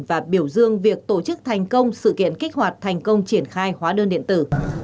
và biểu dương việc tổ chức thành công sự kiện kích hoạt thành công triển khai hóa đơn điện tử